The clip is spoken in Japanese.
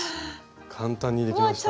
簡単にできました。